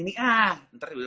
terus lagi pengen ini ah